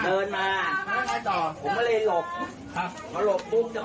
แต่มันไม่ใช่เพราะผมไม่เกี่ยวอะไร